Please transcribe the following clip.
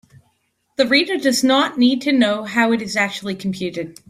The reader does not need to know how it is actually computed.